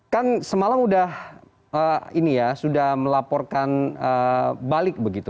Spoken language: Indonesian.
kan semalam sudah melaporkan balik begitu